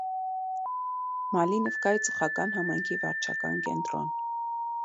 Մալինովկայի ծխական համայնքի վարչական կենտրոն։